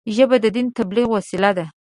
ژبه د دین د تبلیغ وسیله ده